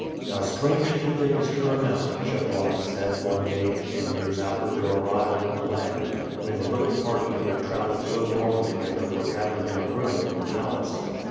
"How strangely things turn out," Chebron said one day ten years after their arrival in the land, when the little party who had traveled so long together were gathered in a room in the palace.